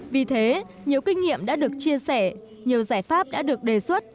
vì thế nhiều kinh nghiệm đã được chia sẻ nhiều giải pháp đã được đề xuất